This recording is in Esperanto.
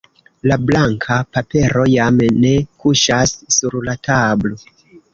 La blanka papero jam ne kuŝas sur la tablo.